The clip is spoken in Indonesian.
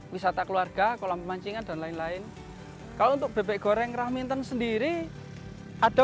wisata keluarga kolam pemancingan dan lain lain kalau untuk bebek goreng rahminton sendiri ada